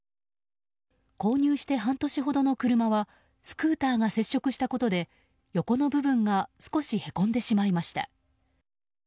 購入して半年ほどの車はスクーターが接触したことで横の部分が少しへこんでしまいました。